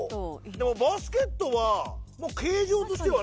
でもバスケットは形状としてはね。